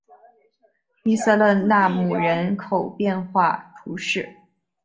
伊勒瑟奈姆人口变化图示